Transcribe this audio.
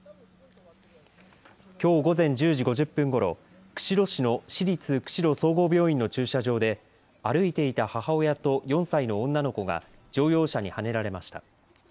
きょう午前１０時５０分ごろ釧路市の市立釧路総合病院の駐車場で歩いていた母親と４歳の女の子が乗用車にはねられました。